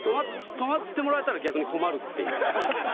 止まってもらえたら、逆に困るっていう。